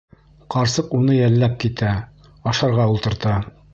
Ҡарсыҡ уны йәлләп китә, ашарға ултырта.